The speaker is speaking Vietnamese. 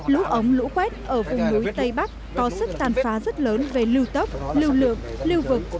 lũ ống lũ quét ở vùng núi tây bắc có sức tàn phá rất lớn về lưu tốc lưu lượng lưu vực